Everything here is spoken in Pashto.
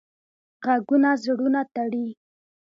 غږونه زړونه تړي